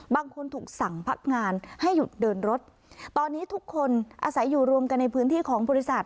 บางคนถูกสั่งพักงานให้หยุดเดินรถตอนนี้ทุกคนอาศัยอยู่รวมกันในพื้นที่ของบริษัท